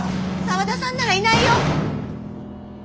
沢田さんならいないよ。